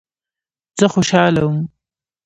زه خوشاله وم.